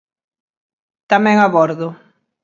Tamén a bordo.